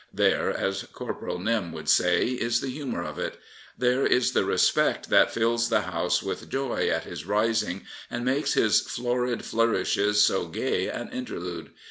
There, as Corporal Nym would say, is the humour of it. There is the respect that fills the House with joy at his rising and makes his florid flourishes so gay an interlude.